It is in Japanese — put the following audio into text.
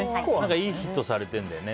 いい日とされてるんだよね。